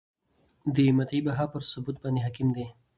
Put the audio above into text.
د مدعی بها پر ثبوت باندي حکم دی ؟